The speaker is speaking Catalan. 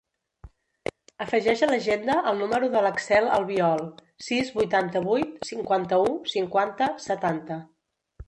Afegeix a l'agenda el número de l'Axel Albiol: sis, vuitanta-vuit, cinquanta-u, cinquanta, setanta.